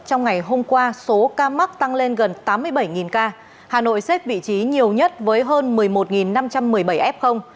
trong ngày hôm qua số ca mắc tăng lên gần tám mươi bảy ca hà nội xếp vị trí nhiều nhất với hơn một mươi một năm trăm một mươi bảy f